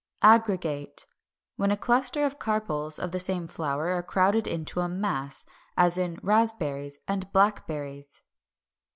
Aggregate, when a cluster of carpels of the same flower are crowded into a mass; as in raspberries and blackberries.